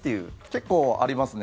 結構ありますね。